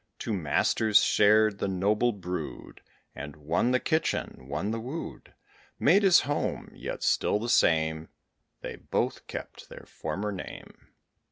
Two masters shared the noble brood; And one the kitchen, one the wood Made his home. Yet still the same, They both kept their former name.